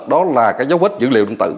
đó là cái dấu vết dữ liệu đường tử